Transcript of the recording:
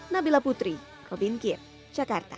nabila putri robin kit jakarta